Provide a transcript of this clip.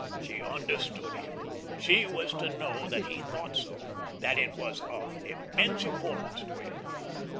She understood him; she was to know that he thought so, that it was of immense importance to him.